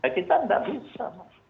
kita tidak bisa